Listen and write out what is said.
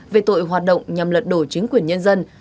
về tội hoạt động nhằm lật đổ chính quyền nhân dân